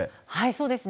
そうですね。